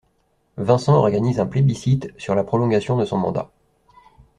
Vincent organise un plébiscite sur la prolongation de son mandat.